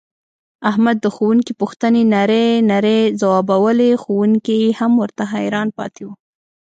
احمد د ښوونکي پوښتنې نرۍ نرۍ ځواوبولې ښوونکی یې هم ورته حیران پاتې و.